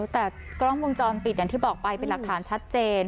แต่กล้องวงจรปิดอย่างที่บอกไปเป็นหลักฐานชัดเจน